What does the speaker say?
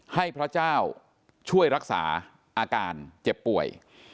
ให้พระเจ้าช่วยรักษาอาการเจ็บป่วย